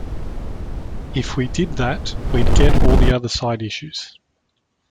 If we did that, we'd get all the other side issues.